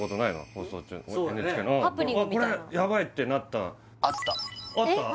放送中これやばいってなったあったあった？